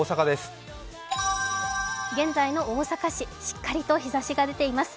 現在の大阪市しっかりと日ざしが出ています。